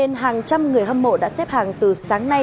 nên hàng trăm người hâm mộ đã xếp hàng từ sáng nay